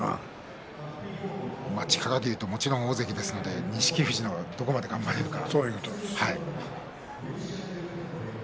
力でいえばもちろん大関ですので錦富士がどれだけ頑張れるかです。